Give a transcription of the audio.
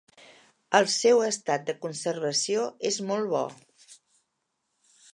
El seu estat de conservació és molt bo.